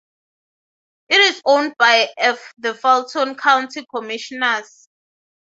It is owned by the Fulton County Commissioners.